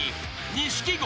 ［錦鯉。